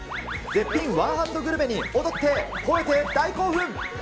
絶品、ワンハンドグルメに踊って、ほえて大興奮。